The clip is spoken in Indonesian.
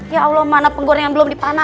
ya allah mana penggorengan belum dipanaskan